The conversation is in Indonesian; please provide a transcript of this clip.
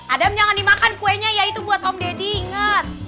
adam jangan dimakan kuenya ya itu buat om deddy ingat